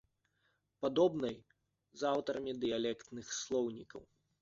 Падобна й з аўтарамі дыялектных слоўнікаў.